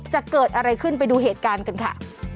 จะเกิดอะไรขึ้นไปดูเหตุการณ์กันค่ะ